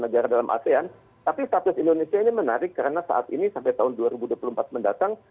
negara dalam asean tapi status indonesia ini menarik karena saat ini sampai tahun dua ribu dua puluh empat mendatang